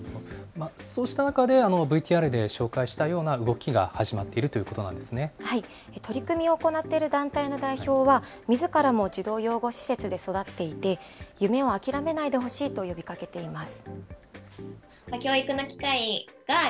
そうした中で、ＶＴＲで紹介したような動きが始まっていると取り組みを行っている団体の代表は、みずからも児童養護施設で育っていて、夢を諦めないでほしいと呼びかけています。